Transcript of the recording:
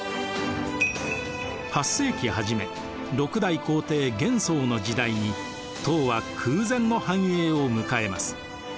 ８世紀初め６代皇帝玄宗の時代に唐は空前の繁栄を迎えます。